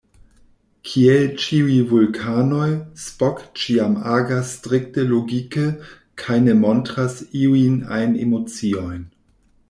Kiel ĉiuj vulkanoj, Spock ĉiam agas strikte logike kaj ne montras iujn ajn emociojn.